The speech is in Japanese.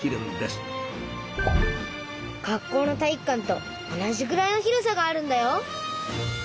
学校の体育館と同じぐらいの広さがあるんだよ。